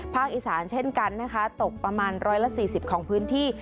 อีสานเช่นกันนะคะตกประมาณ๑๔๐ของพื้นที่